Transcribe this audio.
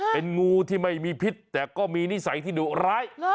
เป็นงูที่ไม่มีพิษแต่ก็มีนิสัยที่ดุร้าย